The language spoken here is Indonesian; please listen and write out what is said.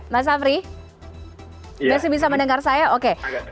mas afri masih bisa mendengar saya oke